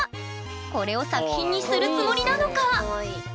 これを作品にするつもりなのか？